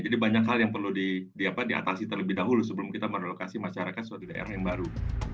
jadi banyak hal yang perlu diatasi terlebih dahulu sebelum kita merelokasi masyarakat di daerah yang baru